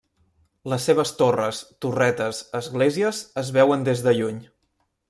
Les seves torres, torretes, esglésies es veuen des de lluny.